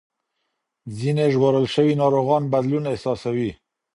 ځینې ژغورل شوي ناروغان بدلون احساسوي.